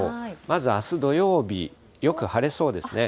まずあす土曜日、よく晴れそうですね。